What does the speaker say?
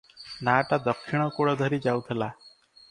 ନାଆଟା ଦକ୍ଷିଣ କୂଳ ଧରି ଯାଉଥିଲା ।